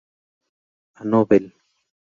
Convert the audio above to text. A novel".